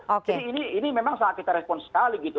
jadi ini memang sangat kita respon sekali gitu